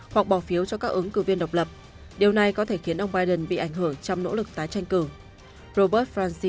hoặc bỏ phiếu cho các ứng cử viên độc lập điều này có thể khiến ông biden bị ảnh hưởng trong nỗ lực tái tranh cử robert franci